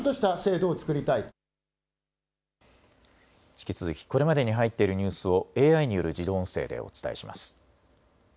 引き続きこれまでに入っているニュースをＡＩによる自動音声でお伝えします。